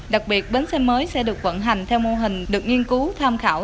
đặc biệt bến xe mới sẽ được vận hành theo mô hình được nghiên cứu tham khảo